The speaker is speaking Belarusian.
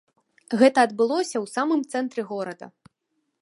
Гэта адбылося ў самым цэнтры горада.